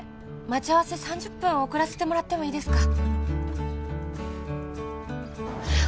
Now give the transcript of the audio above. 待ち合わせ３０分遅らせてもらってもいいですか？」